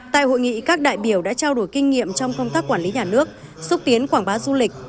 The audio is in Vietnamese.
tại hội nghị các đại biểu đã trao đổi kinh nghiệm trong công tác quản lý nhà nước xúc tiến quảng bá du lịch